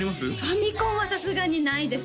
ファミコンはさすがにないですね